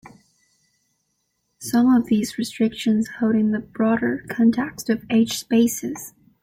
Some of these restrictions hold in the broader context of H-spaces.